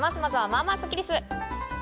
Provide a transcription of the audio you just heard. まずは、まぁまぁスッキりす。